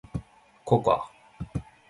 ココア